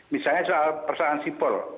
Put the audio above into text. misalnya soal persoalan sipol